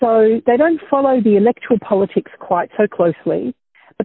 jadi mereka tidak mengikuti politik elektronik dengan sangat dekat